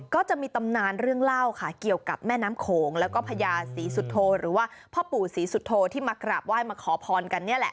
ก็จะมีตำนานเรื่องเล่าค่ะเกี่ยวกับแม่น้ำโขงแล้วก็พญาสีวุฒิโกฟ้าปู่สีวุฒิโกฟ้าที่มากราบยำว่ามาขอปอนค์ค่ะ